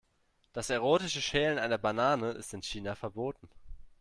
Das erotische Schälen einer Banane ist in China verboten.